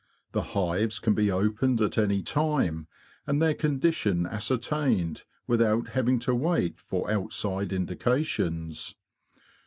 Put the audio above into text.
The hives can be opened at any time and their condition ascertained without having to wait for outside indications.